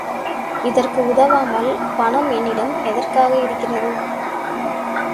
இதற்கு உதவாமல், பணம் என்னிடம் எதற்காக இருக்கிறது?